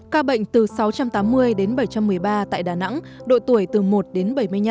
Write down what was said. ca bệnh từ sáu trăm tám mươi đến bảy trăm một mươi ba tại đà nẵng độ tuổi từ một đến bảy mươi năm